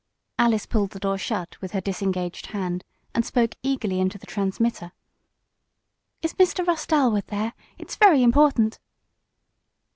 Alice pulled the door shut with her disengaged hand, and spoke eagerly into the transmitter. "Is Mr. Russ Dalwood there? It's very important!"